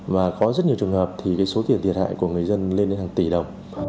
và có rất nhiều trường hợp thì số tiền thiệt hại của người dân lên đến hàng tỷ đồng